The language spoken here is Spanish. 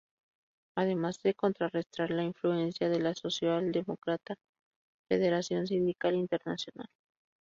Además de contrarrestar la influencia de la socialdemócrata Federación Sindical Internacional.